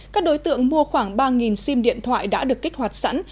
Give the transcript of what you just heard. các đối tượng mua khoảng ba sim điện thoại đã được kích hoạt sẵn